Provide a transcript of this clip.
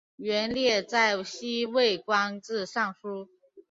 元烈在西魏官至尚书。